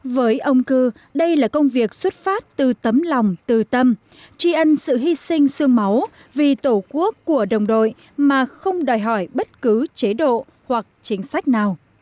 với ông cư đây là công việc xuất phát từ tấm lòng từ tâm tri ân sự hy sinh sương máu vì tổ quốc của đồng đội mà không đòi hỏi bất cứ chế độ hoặc chính sách nào